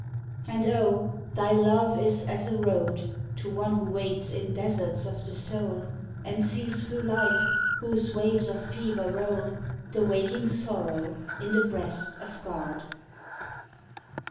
66 SONG And oh, thy Love is as a road To one who waits in deserts of the soul, And sees through Life, whose waves of fever roll, The waking Sorrow in the breast of God.